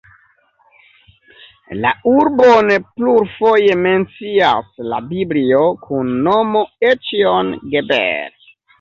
La urbon plurfoje mencias la Biblio kun nomo Ecjon-Geber.